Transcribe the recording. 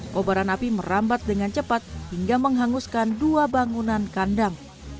kobaran api merambat dengan cepat hingga menghanguskan dua bangunan kandang